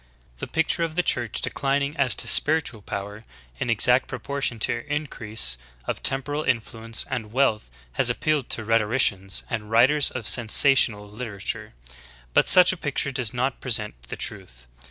The picture of the Church decHning as to spiritual power in exact proportion to her increase of temporal influence and wealth has ap pealed to rhetoricians and writers of sensational literature; but such a picture does not present the truth.